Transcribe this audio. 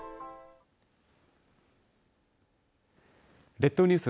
列島ニュース